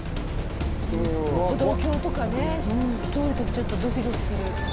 歩道橋とかね下通る時ちょっとドキドキする。